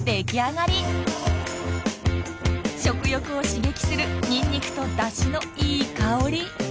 食欲を刺激するニンニクとダシのいい香り。